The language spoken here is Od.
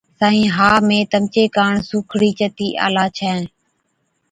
سائِين، ها مين تمچي ڪاڻ سُوکڙِي چتِي آلا ڇَين۔